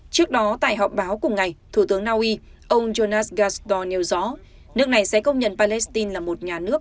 trước đó tại họp báo cùng ngày thủ tướng naui ông jonas gasor nêu rõ nước này sẽ công nhận palestine là một nhà nước